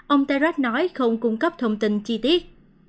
ông terras nói không cung cấp thông tin chi tiết